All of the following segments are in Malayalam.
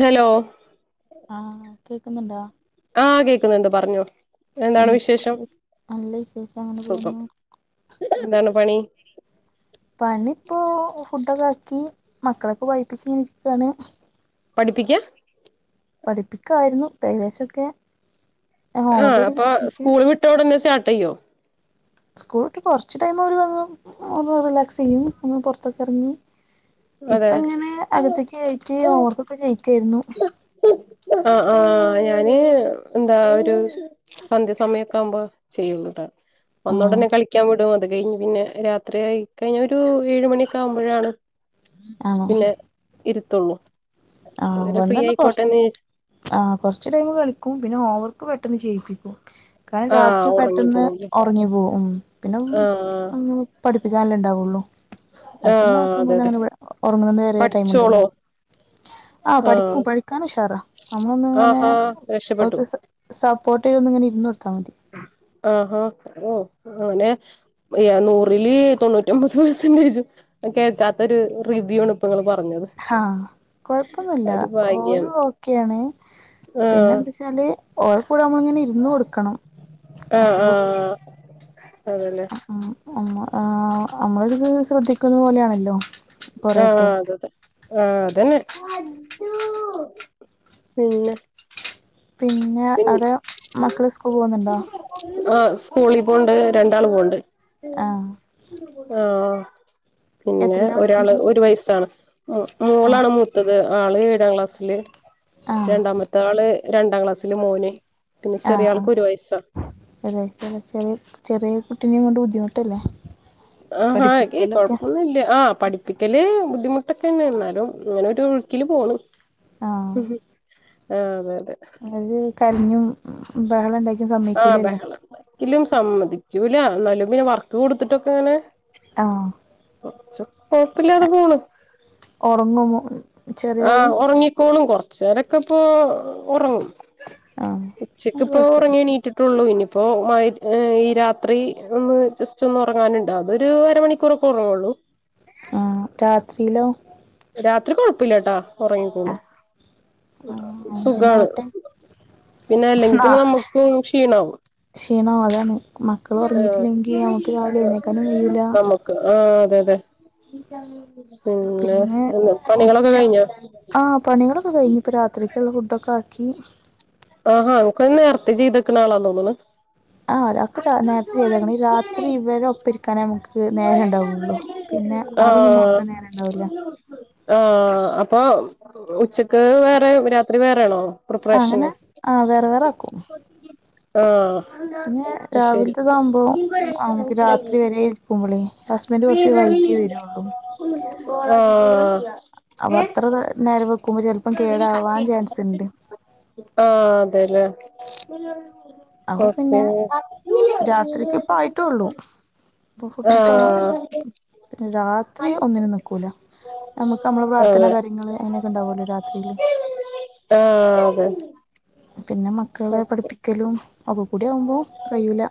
ഹലോ ആഹ കേക്കുന്നുണ്ടോ? ആഹ് കേക്കുന്നുണ്ട് പറഞ്ഞോ എന്തൊക്കെയിണ്ട് വിശേഷം? നല്ല വിശേഷം അങ്ങനെ സുഖം പോവുന്നു. എന്താണ് പണി? പണിപ്പോ ഫുഡൊക്കെ ആക്കി മക്കളൊക്കെ വായിപ്പിച്ച ഇങ്ങനെ രിക്കാണ്. പഠിപ്പിക്കാ? പഠിപ്പിക്കായിരുന്നു പ്പൊ ഏകദേശക്കെ ആ അപ്പൊ സ്കൂൾ വിട്ടോടന്നെ സ്റ്റാർട്ട് ചെയ്യോ? സ്കൂൾ ഇട്ട് കൊറച്ച് ടൈമ അവര് ഒന്ന് റിലാക്സ് ചെയ്യും. ഒന്ന് പുറത്തൊക്കെ എർങ്ങും. ഇപ്പ അതെ ഇങ്ങനെ അകത്തേക്ക് കയറ്റി ഓവർക്കൊക്കെ ചെയ്യിക്കേയിന്നു. ആ ആ ഞാന് എന്താ ഒരു സന്ധ്യ സമയം ക്കാവ്മ്പോ ചെയ്യുട്ടാ ആഹ് വന്നോടന്നെ കളിക്കാൻ വിടും അത് കഴിഞ്ഞ് പിന്നെ രാത്രി ആയി കഴിഞ്ഞ ഒരു ഏഴ് മണിയൊക്കെ ആകുമ്പോഴാണ് ആണോ പിന്നെ ഇരുത്തുള്ളൂ. ആ അതുവരെ ഫ്രീ വന്നട്നെ കൊർ ആയിക്കോട്ടെന്ന് വിചാരിച്ച് ആ് കുറച്ച് ടൈമ് കളിക്കും പിന്നെ ഓവർക്ക് പെട്ടെന്ന് ചെയ്യിപ്പിക്കും. കാരണം ആഹ് രാത്രി ഉറങ്ങി പെട്ടെന്ന് പോവുംല്ലേ ഒറങ്ങി പോകും ഉ പിന്നെഉം ആഹ് [unintelligible] പഠിപ്പിക്കാനല്ലേണ്ടാവുള്ളു അത് പിന്നെ ആഹ് അതെ ആക്കംമ്പോലെ അതെ അങ്ങനെ ഒറങ്ങുന്നേ വരെ ടൈം പഠിച്ചോളോ ഉണ്ടല്ലോ. ആഹ് പഠിക്കും പഠിക്കാനുംഷാറ നമ്മളൊന്നും ഇങ്ങനെ ആഹാ രക്ഷപ്പെട്ടു ഓക്ക് സപ്പോർട്ടേയ്തു ഇങ്ങെനെ ഇരുന്നോട്ത്താൽ മതി. ആഹഹാ ഓനെ നൂറില് തൊണ്ണൂറ്റിമ്പത് പെർസെന്റേജ് കേൾക്കാത്ത ഒരു റിവ്യൂ ആണ് ഇപ്പൊ ങ്ങള് പറഞ്ഞത്. ആഹ് കൊഴപ്പൊന്നുല്ല ഒരു ഭാഗ്യാണ് ഓനു ഓക്കെയാണ് പിന്നെ ആഹ് എന്താ വെച്ചാല് ഓളെ കൂടെ നമ്മളിങ്ങനെ ഇരുന്ന് കൊടുക്കണം. ആഹ അത്രേ ഉള്ളൂ ആഹ ആണല്ലേ മ്മ ആഹ നമ്മള് ഇത് ശ്രദ്ധിക്കുന്നത് പോലെയാണല്ലോ ആഹ് കൊറെയൊക്കെ അത അതെ ആഹ് അതന്നെ പിന്നെ പിന്നെ പിൻ അവിടെ മക്കള് സ്കൂൾ പോകുന്നുണ്ടോ? ആ സ്കൂളിൽ പോണ്ട് രണ്ടാള് പോണ്ട്. ആഹ് ആഹ് പിന്നെ എത്രയിലാ ഒരാള് പഠിക്കുന്നെ ഒരു വയസാണ് ഉ മോളാണ് മൂത്തത് ആള് ഏഴാം ക്ലാസ്സില് ആഹ് രണ്ടാമത്തെ ആള് രണ്ടാം ക്ലാസ്സില്. മോന് പിന്നെ ആഹ് ചെറിയാൾക്ക് ആഹ് ഒരു വയസാ. അതെ [unintelligible] ചെറിയ കുട്ടിനെയും കൊണ്ട് ബുദ്ധിമുട്ടല്ലേ? ആഹഹാ ഏയ്‌ പഠിപ്പിക്കലൊക്കെ കൊഴപ്പൊന്നുല്ല ആ പഠിപ്പിക്ക ക്കല് ബുദ്ധിമുട്ടൊക്കെ തന്നെ ന്നാലും അങ്ങനെ ഒഴുക്കില് പോണ്. ആഹ് ആഹ് അതെ അതെ അത് കരഞ്ഞും ബഹളം ണ്ടാക്കിം സമ്മയ്ക്കൂലല്ലോ. ഇല്ല സമ്മതിക്കൂല ന്നാലും പിന്നെ വർക്ക് കൊടുത്തിട്ടൊക്കെ അങ്ങനെ ആഹ് കൊറച് കൊഴപ്പില്ലാതെ പോണ് ഒറങ്ങോ മോള് ആഹ് ഉറങ്ങിക്കോളും കൊറച്ചേരൊക്കെ ഇപ്പൊ ഒറങ്ങും ആഹ് അത് ഉച്ചക്കിപ്പ കൊഴപ്പില്ല ഉറങ്ങിണീട്ടി ട്ടുള്ളൂ ഇനിയിപ്പോൾ മഴ ഈ രാത്രി ഒന്ന് [unintelligible] ജസ്റ്റ്‌ ഒന്ന് ഒറങ്ങാനുണ്ട് അതൊരു അരമണിക്കൂറൊക്കെ ഉറങ്ങുള്ളൂ ആഹ് രാത്രിലോ രാത്രി കൊഴപ്പില്ലട്ടോ ഒറങ്ങിക്കോളും ആഹ് അങ്ങനെ തന്നെ സുഖാണ് ആവട്ടെ പിന്നെ അല്ലെങ്കി നാ പിന്നെ നമുക്ക് ക്ഷീണാവും ക്ഷീണാവും അതാണ് മക്കൾ ഉറങ്ങിയിട്ടില്ലെങ്കി നമുക്ക് രാവിലെ എഴുന്നേല്ക്കാനും കയ്യൂല ആഹ് അതെ അതെ പിന്നെ പണികളൊക്കെ ഉച്ച കഴിഞ്ഞോ? ആ പണികളൊക്കെ കഴിഞ്ഞു ഇപ്പോൾ രാത്രിക്കക്കുള്ള ഫുഡൊക്കെ ആക്കി ആഹ് ഒക്കെ നേരത്തെ ചെയ്തക്കണ ആളാ തോന്നന്ന് ആഹ് ഒക്കെ നേരത്തെ ചെയ്തക്കണ ഈ രാത്രി ഇവരെ ഒപ്പ ഇരിക്കാന ഇൻക്ക് നേരണ്ടാവുള്ളു പിന്നെ അതൊന്നും ആഹ് നോക്കാൻ നേരണ്ടാവൂല്ല ആഹ് അപ്പൊ ഉച്ചക്ക് വേറെ രാത്രി വേറെ ആണോ പ്രിപ്പറേഷന് ആഹ് വേറെ വേറെ വെക്കും ആഹ് പിന്നെ അത് ശരി രാവിലത്തെതാകുമ്പോം നമുക്ക് രാത്രി വരെ ഇരിക്കുമ്പളെ ഹസ്ബന്റ് കുറച്ച് വൈകിയെ വരുള്ളൂ ആഹ് അപ്പൊ അത്ര നേരം വെക്കുമ്പോ ചിലപ്പം കേടാവാൻ ചാൻസ് ഉണ്ട് ആഹ് അതെ ലേ അപ്പൊ പിന്നെ അത്രൊള്ളൂ അപ്പൊ [unintelligible] ആഹ് രാത്രി അതെ ഒന്നിനും നിക്കൂല നമുക്ക് നമ്മള പ്രാർത്ഥന ആഹ് കാര്യങ്ങള് അങ്ങനൊക്കെ ഉണ്ടാവോലോ രാത്രിയില് ആഹ് അതെ പിന്നെ മക്കളെ പഠിപ്പിക്കലും ഒക്കകൂടി ആകുമ്പോം കഴൂല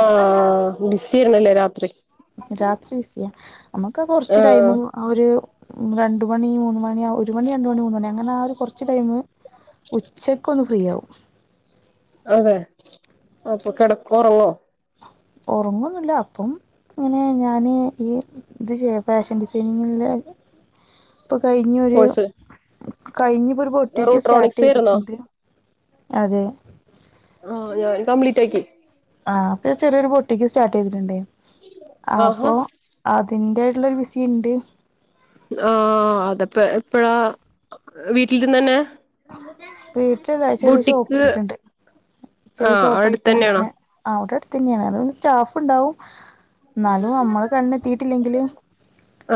ആഹ് ബിസി ആണല്ലേ രാത്രി രാത്രി ബിസിയാ നമക്ക് കോറച്ച് ടൈമ് ഇപ്പൊ ആഹ് ഒരു രണ്ട് മണി മൂന്ന് മണി ഒരു മണി രണ്ട് മണി മൂന്ന് മണി അങ്ങനെ ആ ഒരു കോറച്ച് ടൈമ് ഉച്ചക്കൊന്ന് ഫ്രീയാവും അതെ അപ്പൊ കെടക്കോ ഉറങ്ങോ ഒറങ്ങൊന്നില്ല അപ്പം ഇങ്ങനെ ഞാന് ഈ ഇത് ചെയ്യ ഫാഷൻ ഡിസൈനിങ്ങില് ഇപ്പൊ കഴിഞ്ഞൊരു കോഴ്സ് കഴിഞ് ഇപ്പോ ഒരു ബൊട്ടിഖ് സ്റ്റാർട്ട് റൂട്രോണിക്സ് ആയിരുന്നോ ചെയ്തിട്ടുണ്ട് അതെ ആഹ് ഞാനും കംപ്ലീറ്റ് ആക്കി ആഹ് അപ്പ ചെറിയൊരു ബൊട്ടിക്ക് സ്റ്റാർട്ട് ചെയ്തിട്ടുണ്ട് ആഹാ അപ്പൊ അതിന്റെ ആയിട്ടുള്ളൊരു ബിസി ഉണ്ട് ആഹ് അത്പ്പ എപ്പഴാ വീട്ടിലിരുന്ന് തന്നെ വീട്ടിലല്ല ചെറിയ ഷോപ്പ് ബോട്ടിക്ക് ഇട്ടിട്ടുണ്ട് ചെറിയ ആഹ് ഷോപ്പായിട്ട് അടുത്തന്നെയാണോ അങ്ങനെ ആഹ് അവടെ അടുതന്നെയാണ് അത് സ്റ്റാഫ് ഇണ്ടാവും ഇന്നാലും നമ്മള് കണ്ണ് എത്തിട്ടില്ലെങ്കില്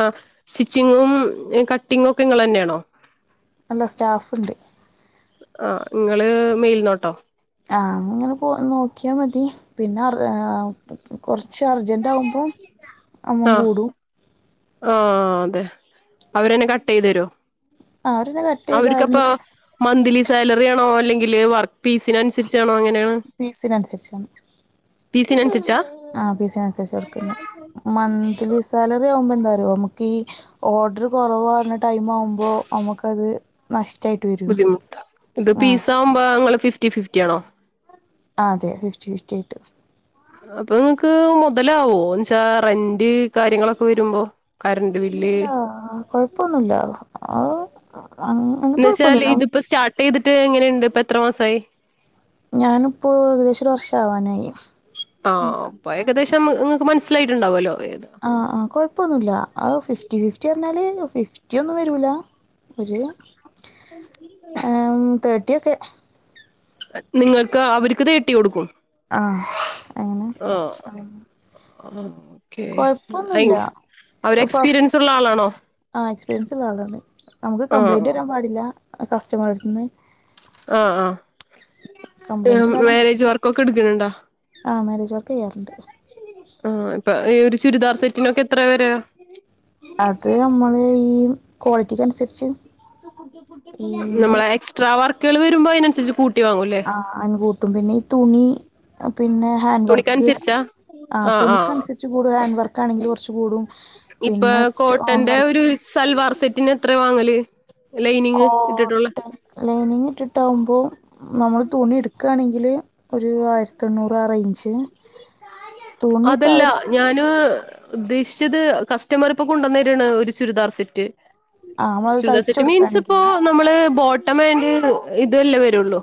ആഹ് സ്റ്റിച്ചിങ്ങും കട്ടിങ്ങും ഒക്കെ ഇങ്ങളെന്നെയാണോ അല്ല സ്റ്റാഫുണ്ട് ആഹ് ഇങ്ങള് മേൽനോട്ടോ ആഹ് ഇങ്ങനെ പോ നോക്കിയാൽ മതി പിന്നെ ആർ കോറച്ച് അർജൻറ് ആകുമ്പോൾ അമ്മൻ ആഹ് കൂടും ആഹ് അതെ അവരന്നെ കട്ട് ചെയ്ത് തരോ അവരെന്നെ കട്ട് ചെയ്ത് അവർക്കപ്പൊ ആരുന്നത് മന്ത്ലി സാലറി ആണോ അല്ലെങ്കിൽ വർക്ക് പീസിനനുസരിച്ചാണോ എങ്ങന പീസിനനുസരിച്ചാണ് പീസിനനുസരിച്ചാ ആഹ് പീസിനുസരിച്ച കൊടുക്കുന്നെ മന്ത്ലി സാലറി ആവുമ്പോ എന്താ അറിയോ നമ്മക്ക് ഈ ഓർഡർ കൊറവാക്ന്ന ടൈം ആവുമ്പോ നമ്മക്കത് നഷ്ട്ടായിട്ട് വരും ബുദ്ധിമുട്ടാ ഇത് ആ പീസ്സാവുമ്പോ നിങ്ങള് ഫിഫ്റ്റി ഫിഫ്റ്റി ആണോ ആഹ് അതെ ഫിഫ്റ്റി ഫിഫ്റ്റി ആയിട്ട് അപ്പൊ നിങ്ങക്ക് മുതലാവോ എന്നച്ചാ റെന്റ് കാര്യങ്ങളൊക്കെ വരുമ്പോ കറണ്ട് ബില്ല് ഇല്ല കൊഴപ്പൊന്നുല്ല അത്അങ്ങ് എന്ന് വെച്ചാൽ ഇതിപ്പോ സ്റ്റാർട്ട് ചെയ്തിട്ട് എങ്ങനെയുണ്ട് ഇപ്പൊ എത്ര മാസായി ഞാനിപ്പോ ഏകദേശ ഒരു വർഷ ആവാനായി ആഹ് ഇപ്പോ ഏകദേശം നിങ്ങക്ക് മനസ്സിലായിട്ടുണ്ടാവുമല്ലോ ഏത് ആഹ് ആഹ് കൊഴപ്പൊന്നുല്ല ആഹ് ഫിഫ്റ്റി ഫിഫ്റ്റി പറഞ്ഞാല് ഫിഫ്റ്റി ഒന്നും വരൂല ഒര് ഉം ആഹ് ഉം തേർട്ടിഒക്കെ നിങ്ങക്ക് അവർക്ക് തേട്ടി കൊടുക്കും ആഹ് അങ്ങനെ ആഹ് ആഹ് ഓക്കെ അയിൻ ഫസ്റ്റ് ആഹ് എക്സ്പീരിയൻസ് ഉള്ള ആളാണ് നമുക്ക് ആഹ് കംപ്ലയിന്റ് വരാൻ പാടില്ല കസ്റ്റെമെറെടുത് ന്ന് ആഹ് കംപ്ലൈന്റ് ആഹ് മാരേജ് വർക്കൊക്കെ ഇടുക്ക്ണ് ണ്ടോ ആഹ് മേരേജ് വർക്ക് ചെയ്യാറുണ്ട് ആഹ് ഇപ്പൊ ഈ ഒരു ചുരിദാർ സെറ്റിനൊക്കെ എത്ര വര്യാ അത് നമ്മള് ഈ ക്വാളിറ്റിക്ക് അനുസരിച്ച് ഈ നമ്മള് എക്സ്ട്രാ വർക്കുകൾ വരുമ്പോ അതിനനുസരിച്ച് കൂട്ടി വാങ്ങൂല്ലേ ആഹ് കൂട്ടും പിന്നെ ഈ തുണി പിന്നെ ഹാൻഡ് വർക്ക് തുണിക്കനുസരിച്ചാ ആഹ് തുണിക്കനുസരിച്ച് കൂടും ഹാൻഡ് വർക്ക് ആണെങ്കിൽ കൊറച്ച് കൂടും ഇപ്പൊ പിന്നെ സ്റ്റോൺ കോട്ടന്റെ ഒരു വർക്കിന്റെ സൽവാർ സെറ്റിന് എത്രയാ വാങ്ങല് ലൈനിങ് ഇട്ടിട്ടുള്ള കോട്ടൺ ലൈനിങ് ഇട്ടിട്ടാവുമ്പൊ നമ്മൾ തുണി ഇടുക്കാണെങ്കില് ഒരു ആയിരത്തെണ്ണൂറ് ആ റേഞ്ച് തുണിയൊക്കെ അതല്ല അവര് ത- ഞ ഞാന് ഉദ്ദേശിച്ചത് കസ്റ്റമറിപ്പൊ കൊണ്ട്ന്നര്ണെ ഒരു ചുരിദാർ സെറ്റ് ആ നമ്മളത് ചുര്ദാർ തയ്ച്ചു സെറ്റ് മീൻസിപ്പൊ കൊടുക്കാണെങ്കില് നമ്മള് ബോട്ടമാന്റ് ഇതുവല്ലേ വരുള്ളൂ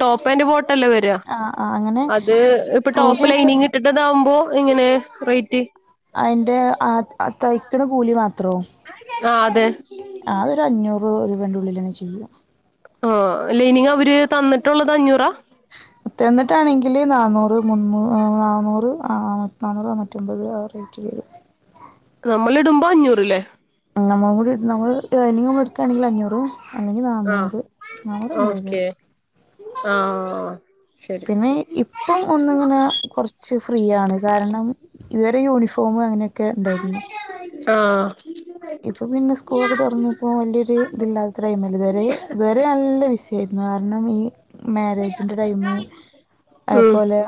ടോപ്പാന്റ് ബോട്ടല്ലേ വരാ ആ ആ അങ്ങനെ അത് ഇപ്പ ടോപ്പ് തുണിയൊക്കെ ഇട്ടിട്ടതാവുമ്പൊ എങ്ങനെ റേറ്റ് അയ്ൻ്റെ ആഹ് തയ്ക്കണ കൂലി മാത്രൊ ആഹ് അതെ ആഹ് അതൊരു അഞ്ഞൂറ് രൂപന്റെ ഉള്ളിലെന്നെ ചെയ്യും ആഹ് ല്ലൈനിങ്ങ് അവര് തന്നിട്ടുള്ളത് അഞ്ഞൂറാ തെന്നിട്ടാണെങ്കില് നാന്നൂറ് മുന്നൂ നാന്നൂറ് നാന്നൂറ് നാനൂറ്റമ്പത് ആഹ് റേറ്റ് വരും നമ്മളിടുമ്പോ അഞ്ഞൂറ്ലെ നമ്മളും കൂടി നമ്മൾ ലൈനിങ്ങുമെട്ക്കാണെങ്കിലഞ്ഞൂറ് അല്ലെങ്കി ആ നാന്നൂറ് നാന്നൂറ് അഞ്ഞൂറ് [unintelligible] ആഹ് ശരി ങ്ങെനെ ഇപ്പം ഒന്ന്ങ്ങെനെ കൊർച്ച് ഫ്രീയാണ് കാരണം ഇതുവെരെ യൂണിഫോമ് അങ്ങെനെ ക്കെ ണ്ടായ്ര്ന്നു ആഹ് ഇപ്പം പിന്നെ സ്കൂളൊക്കെ തൊർന്നു പ്പാേ വല്യൊര് ത്‌ല്ലാത്ത ടൈമല്ലെ ഇത്‌വെരെ ഇത്‌വെരെ നല്ല ബിസി യേര്ന്നു കാര്ണം ഈ മേരേജിന്റെ ടൈമ് ഉം അത്പോലെ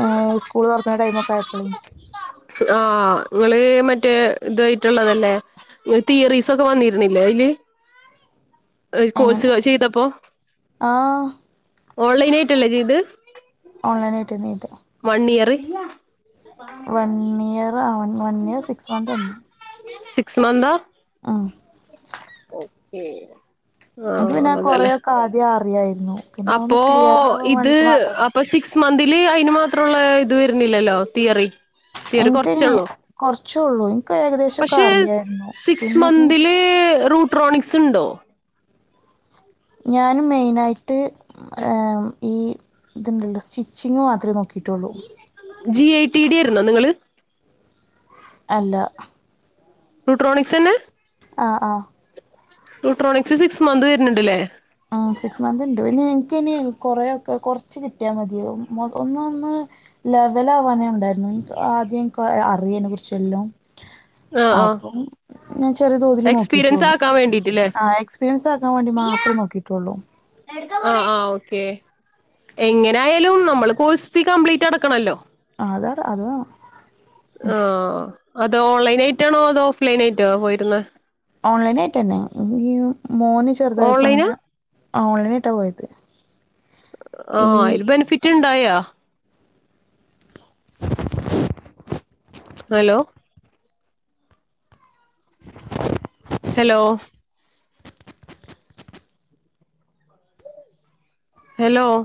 ഏഹ് സ്കൂള് തൊറ്ക്ക്ണ ടൈമൊക്കെ ആയപ്പളേ ആഹ് ഇങ്ങെള് മറ്റേ ഇതായ്ട്ട്ള്ളെതെല്ലേ ഒര് തിയറീസാെക്കെ വന്നീര്ന്നില്ലേ അയ്ല് ഒര് എങ്ങനെ കോഴ്സ് ചെയ്തപ്പോ ആ ഓൺലൈനായ്ട്ടല്ലേ ചെയ്ത് ഓൺലൈനായ്ട്ടെന്നെയ്ത് വണ്ണിയെറ് വണ്ണിയെറാ വ വൺ ഇയർ സിക്സ് മന്താന്ന്ന്നു സിക്സ് മന്താ ആഹ് ഓക്കേ എനിക്ക് ആഹ് പിന്നെ അതലേ കൊറെയൊക്കെ ആദ്യം അറിയായിരുന്നു പിന്നെ അതൊന്ന് അപ്പോ ക്ലിയർ ആവാൻ ഇത് വേണ്ടിട്ട് മാത്രം അപ്പ സി ക്സ് മന്തില് അയ്നു മാത്രെള്ളെ ഇത് വെര്ണില്ലല്ലോ തിയെറി ഇൻക്കയ്ന് കൊർച്ച് ഒള്ളു ഇൻക്ക് ഏകദേശൊക്കെ അറിയായ്ര്ന്നു പിന്നൊന്ന് റൂട്രോണിക്സ്ണ്ടോ ഞാനും മെയ്നായ്ട്ട് ഏഹ് ഈ ത്ണ്ടെല്ലൊ സ്റ്റിച്ചിങ്ങ് മാത്രേ നോക്കീട്ടാെള്ളൂ ജി ഐ ടി ഡി ഏര്ന്നോ നിങ്ങെള് അല്ലാ റൂട്രോണിക്സെന്നേ ആഹ് ആഹ് റൂട്രോണിക്സ് സിക്സ് മന്ത് വെര്ണ്‌ണ്ട്ലേ ആഹ് സിക്സ് മന്ത്ണ്ട് പിന്നെ ഇൻക്കയ്ന് കൊറേയൊക്കെ കൊർച്ച് കിട്ട്യാ മത്യാവും ഒന്നാെന്ന് ലെവെലാവാനേ ഉണ്ടായ്ര്ന്നു ൻക്ക് ആദ്യം ൻക്ക് അറിയയ്നെ കുർച്ചെല്ലോം ആഹ് ആഹ് അപ്പം ഞാൻ ചെറിയ തോതില് നോക്കീട്ടു എക്സ്പീരിയൻസ് ഒള്ളു ആക്കാൻ വേണ്ടിട്ടില്ലേ ആഹ് എക്സ് സ്പീര്യെൻസാക്കാം വാണ്ടി മാത്രെ നോക്കീട്ടാെള്ളൂ ആഹ് ആഹ് ഓക്കേ എങ്ങെനായാലും നമ്മെള് കോഴ്സ് ഫീ കംപ്ലീറ്റടക്കണല്ലോ ആഹ് അതട അത് വേണം ആഹ് അത് ഓൺലൈനായ്ട്ടാണോ അതോ ഓഫ്‌ലൈനായ്ട്ടാണോ പോയിര്ന്നെ ഓൺലൈനായ്ട്ടെന്നെ [unintelligible] മോന് ചെറ്തായപ്പാെ ഓൺലൈനാ അങ്ങനെ ഓൺലൈനായ്ട്ടാ പോയെത് ആഹ് അയ്ല് ബെനഫിറ്റ്ണ്ടായാ ഹലോ [inaudible] ഹെലോ ഹെലോ